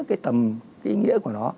cái ý nghĩa của nó